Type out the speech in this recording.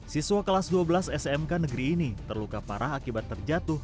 siswa kelas dua belas smk negeri ini terluka parah akibat terjatuh